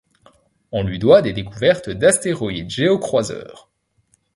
On lui doit des découvertes d'astéroïdes géo-croiseurs.